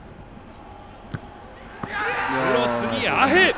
クロスにアヘ。